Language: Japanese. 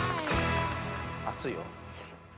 熱いよ。